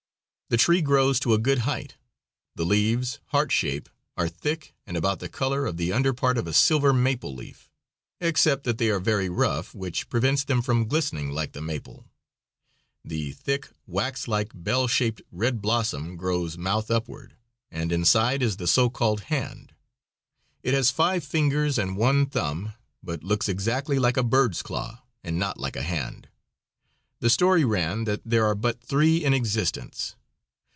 The tree grows to a good height. The leaves, heart shape, are thick and about the color of the under part of a silver maple leaf, except that they are very rough, which prevents them from glistening like the maple. The thick, wax like, bell shaped red blossom grows mouth upward, and inside is the so called hand. It has five fingers and one thumb, but looks exactly like a bird's claw, and not like a hand. The story ran that there are but three in existence.